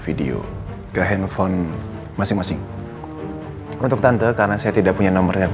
video ke handphone masing masing untuk tante karena saya tidak punya nomornya